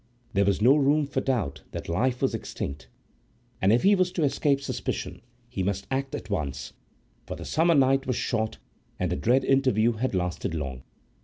There was no room for doubt that life was extinct; and if he was to escape suspicion, he must act at once, for the summer night was short and the dread interview had lasted long.